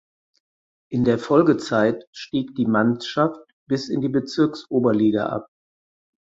In der Folgezeit stieg die Mannschaft bis in die Bezirksoberliga ab.